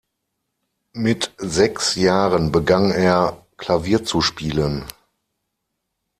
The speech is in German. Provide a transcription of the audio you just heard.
Mit sechs Jahren begann er Klavier zu spielen.